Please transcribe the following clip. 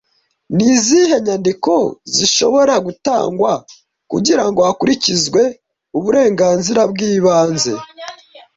Ni izihe nyandiko zishobora gutangwa kugira ngo hakurikizwe uburenganzira bw'ibanze